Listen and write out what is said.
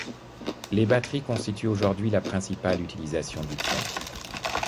Les batteries constituent aujourd'hui la principale utilisation du plomb.